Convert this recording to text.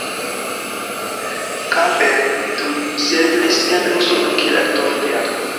Campbell tuj setlis en Usono kiel aktoro de teatro.